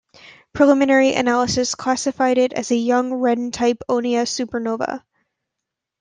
Preliminary analysis classified it as "a young, reddened type onea supernova".